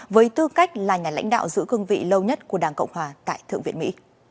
với tư cách là nhà lãnh đạo giữ cương vị lâu nhất của đảng cộng hòa tại thượng viện mỹ